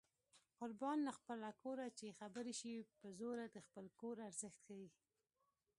قربان له خپله کوره چې خبرې شي په زوره د خپل کور ارزښت ښيي